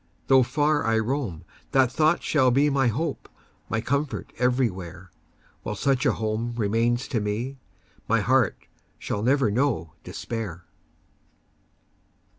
Though far I roam, that thought shall be My hope, my comfort, everywhere; While such a home remains to me, My heart shall never know despair!